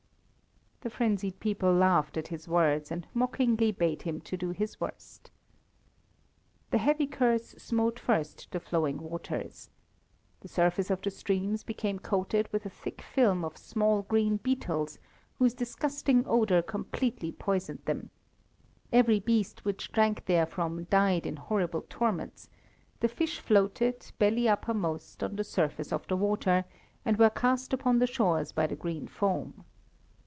The frenzied people laughed at his words, and mockingly bade him do his worst. The heavy curse smote first the flowing waters. The surface of the streams became coated with a thick film of small green beetles, whose disgusting odour completely poisoned them. Every beast which drank therefrom died in horrible torments; the fish floated, belly uppermost, on the surface of the water, and were cast upon the shores by the green foam.